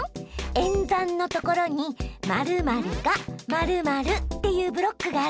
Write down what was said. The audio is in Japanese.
演算のところに「○○が○○」っていうブロックがあるでしょ？